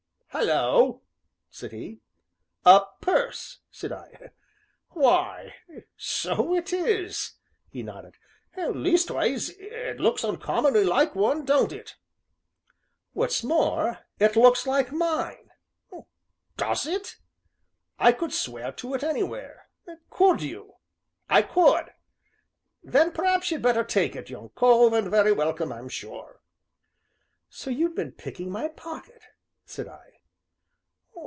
"Hallo!" said he. "A purse!" said I. "Why, so it is," he nodded; "leastways, it looks uncommonly like one, don't it?" "What's more, it looks like mine!" "Does it?" "I could swear to it anywhere." "Could you?" "I could." "Then p'r'aps you'd better take it, young cove, and very welcome, I'm sure." "So you've been picking my pocket!" said I.